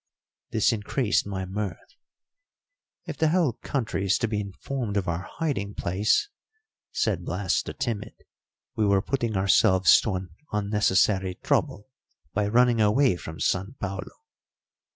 This increased my mirth. "If the whole country is to be informed of our hiding place," said Blas the timid, "we were putting ourselves to an unnecessary trouble by running away from San Paulo."